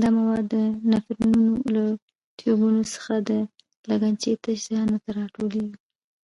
دا مواد د نفرونونو له ټیوبونو څخه د لګنچې تش ځای کې را ټولېږي.